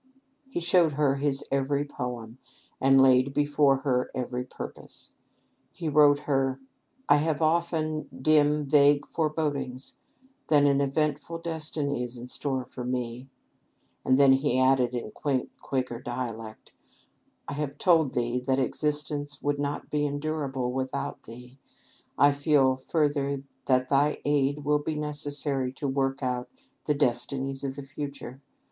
He showed her his every poem, and laid before her every purpose. He wrote her, "I have often dim, vague forebodings that an eventful destiny is in store for me"; and then he added in quaint, Quaker dialect, "I have told thee that existence would not be endurable without thee; I feel further that thy aid will be necessary to work out the destinies of the future....